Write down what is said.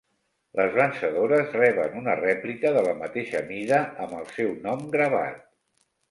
Les vencedores reben una rèplica de la mateixa mida amb el seu nom gravat.